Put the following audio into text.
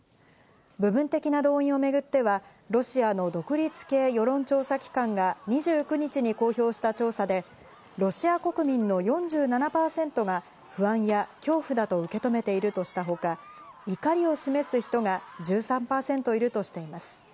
部分的な動員をめぐってはロシアの独立系世論調査機関が２９日に公表した調査で、ロシア国民の４７％が不安や恐怖だと受け止めているとしたほか、怒りを示す人が１３％いるとしています。